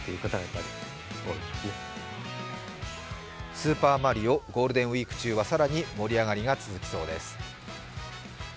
スーパーマリオ、ゴールデンウイーク中には更に盛り上がりが続きそうです。